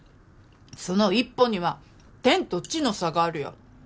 その一歩には天と地の差があるよ。